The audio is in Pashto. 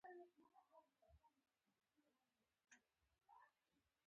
زه وايم چي خپله ناوکۍ دي وي